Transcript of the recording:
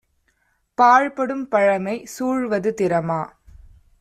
பாழ்படும் பழமை சூழ்வது திறமா?